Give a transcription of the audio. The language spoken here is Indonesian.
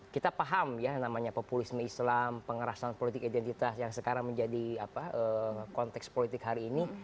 kita paham ya namanya populisme islam pengerasan politik identitas yang sekarang menjadi konteks politik hari ini